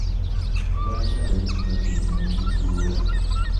Lwaki abayizi bagenda mu biduula?